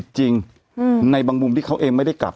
แต่หนูจะเอากับน้องเขามาแต่ว่า